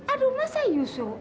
aduh masa yusuf